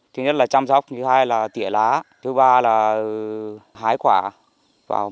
thứ nhất là chăm sóc thứ hai là tỉa lá thứ ba là hái quả